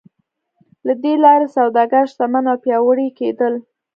له دې لارې سوداګر شتمن او پیاوړي کېدل.